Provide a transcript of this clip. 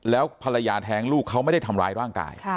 แล้วภรรยาแท้งลูกเขาไม่ได้ทำร้ายร่างกาย